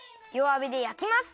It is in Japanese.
わびでやきます。